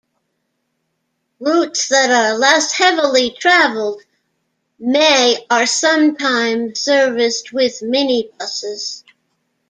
Routes that are less heavily traveled may are sometimes serviced with minibuses.